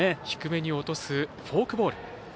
低めに落とすフォークボール。